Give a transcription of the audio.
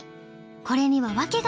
これには訳が。